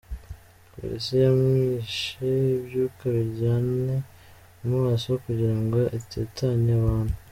Polisi yamishe ibyuka biryani mu maso kugira ngo itatanye abantu.